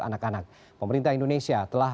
anak anak pemerintah indonesia telah